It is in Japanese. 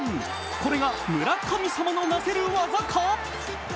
これが村神様のなせる技か？